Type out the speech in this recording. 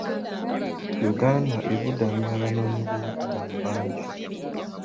Uganda ebudamya abanoonyiboobubuddamu bangi.